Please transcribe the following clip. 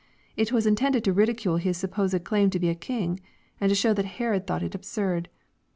It was intended to ridicule His supposed claim to be a king, and to show that Herod thought it absurd.